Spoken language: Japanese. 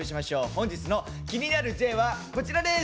本日の気になるＪはこちらです。